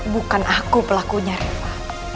bukan aku pelakunya riva